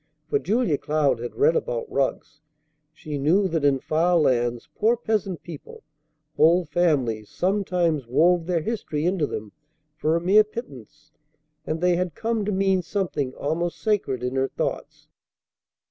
For Julia Cloud had read about rugs. She knew that in far lands poor peasant people, whole families, sometimes wove their history into them for a mere pittance; and they had come to mean something almost sacred in her thoughts.